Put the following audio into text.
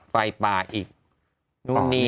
ไฟป่าอีกนู่นนี่